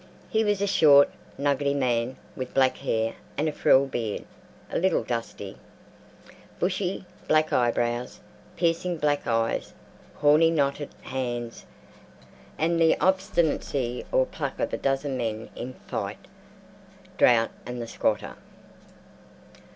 He was a short, nuggety man with black hair and frill beard (a little dusty), bushy black eyebrows, piercing black eyes, horny knotted hands, and the obstinacy or pluck of a dozen men to fight drought and the squatter.